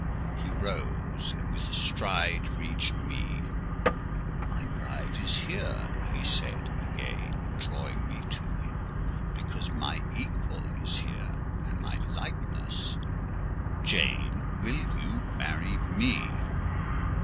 He rose, and with a stride reached me. "My bride is here," he said, again drawing me to him, "because my equal is here, and my likeness. Jane, will you marry me?"